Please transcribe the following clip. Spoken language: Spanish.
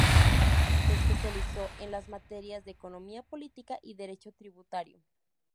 Se especializó en las materias de Economía Política y Derecho Tributario.